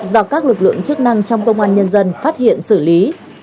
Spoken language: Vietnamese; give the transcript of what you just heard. do các lực lượng chức năng trong công an nhân dân phát hiện xử lý